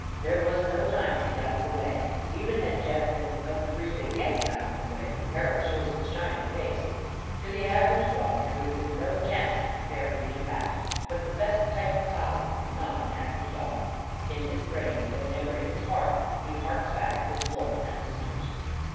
There was no time to get out of the way; even had Jeff been of the breed that gets out of the way when peril shows its shining face. To the average dog, there would have been no chance to prepare for the impact. But the best type of collie is not an average dog. In his brain, though never in his heart, he harks back to his wolf ancestors.